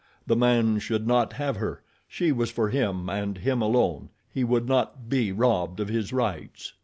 The man should not have her. She was for him and him alone. He would not be robbed of his rights.